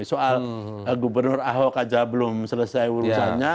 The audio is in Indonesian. soal gubernur ahok aja belum selesai urusannya